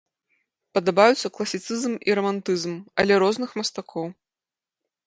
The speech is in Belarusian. Падабаюцца класіцызм і рамантызм, але розных мастакоў.